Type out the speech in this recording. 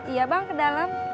iya bang kedalam